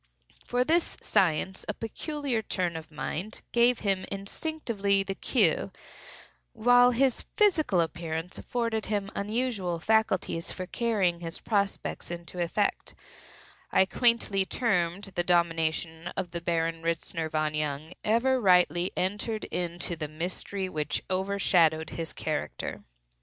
For this science a peculiar turn of mind gave him instinctively the cue, while his physical appearance afforded him unusual facilities for carrying his prospects into effect. I firmly believe that no student at G——n, during that renowned epoch so quaintly termed the domination of the Baron Ritzner von Jung, ever rightly entered into the mystery which overshadowed his character.